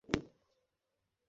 কিন্তু তাদের চোখেও কিছু পড়েনি।